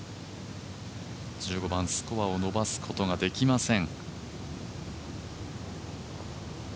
１５番、スコアを伸ばすことができません。